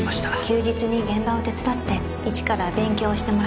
休日に現場を手伝って一から勉強してもらってます